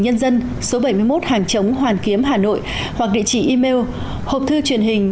nhân dân số bảy mươi một hàng chống hoàn kiếm hà nội hoặc địa chỉ email hộp thư truyền hình